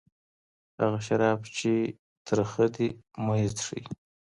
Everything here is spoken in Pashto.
هغه شراب چي تریخ دی مه څښه.